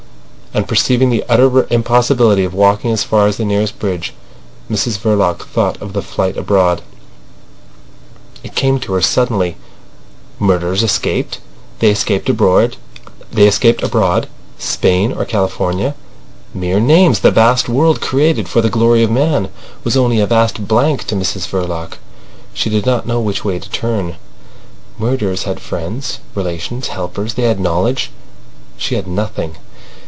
And perceiving the utter impossibility of walking as far as the nearest bridge, Mrs Verloc thought of a flight abroad. It came to her suddenly. Murderers escaped. They escaped abroad. Spain or California. Mere names. The vast world created for the glory of man was only a vast blank to Mrs Verloc. She did not know which way to turn. Murderers had friends, relations, helpers—they had knowledge. She had nothing.